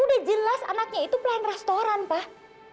udah jelas anaknya itu plan restoran pak